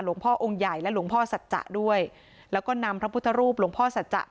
พ่อองค์ใหญ่และหลวงพ่อสัจจะด้วยแล้วก็นำพระพุทธรูปหลวงพ่อสัจจะ